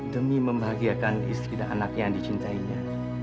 demi membahagiakan istri dan anak yang dicintainya